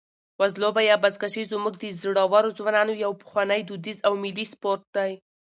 وزلوبه یا بزکشي زموږ د زړورو ځوانانو یو پخوانی، دودیز او ملي سپورټ دی.